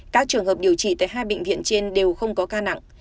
các trường hợp điều trị tại hai bệnh viện trên đều không có ca nặng